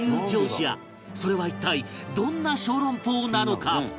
それは一体どんな小籠包なのか？